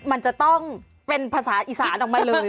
มันจะต้องเป็นภาษาอีสานออกมาเลย